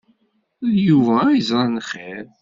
D Yuba ay yeẓran xir.